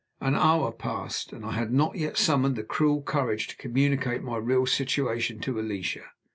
An hour passed; and I had not yet summoned the cruel courage to communicate my real situation to Alicia.